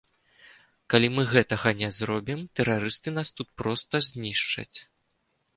Калі мы гэтага не зробім, тэрарысты нас тут проста знішчаць.